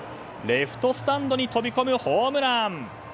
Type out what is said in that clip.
レフトスタンドに飛び込むホームラン。